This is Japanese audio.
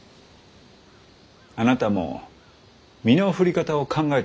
あなたも身の振り方を考えた方がいい。